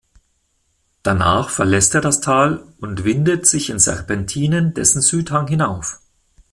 Danach verlässt er das Tal und windet sich in Serpentinen dessen Südhang hinauf.